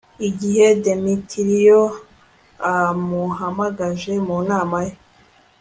igihe demetiriyo amuhamagaje mu nama ye